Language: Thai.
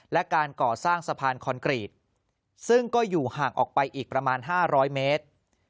และการก่อสร้างสะพานคอนกรีตซึ่งก็อยู่ห่างออกไปอีกประมาณ๕๐๐เมตร